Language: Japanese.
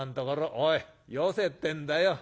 おいよせってんだよ。